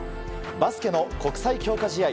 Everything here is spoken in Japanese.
バスケの国際強化試合。